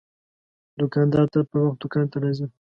دوکاندار تل پر وخت دوکان ته راځي.